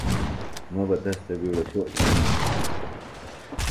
مہ بہ تس تھےۡ بِیڈوۡ شو جھونُم دےۡ